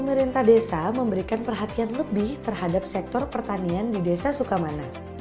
pemerintah desa memberikan perhatian lebih terhadap sektor pertanian di desa sukamana